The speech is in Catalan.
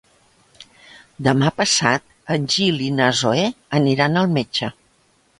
Demà passat en Gil i na Zoè aniran al metge.